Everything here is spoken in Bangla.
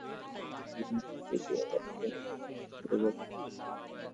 ফলে হ্যাশট্যাগযুক্ত লেখা কিংবা ইমোজি—দুটি ব্যবহার করেই ছবি খোঁজা যাবে ইনস্টাগ্রামে।